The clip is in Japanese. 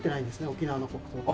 沖縄の黒糖って。